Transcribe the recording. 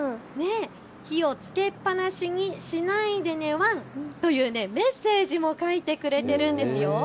火をつけっぱなしにしないでね、ワンというメッセージも書いてくれているんですよ。